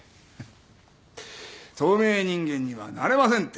透明人間にはなれませんって。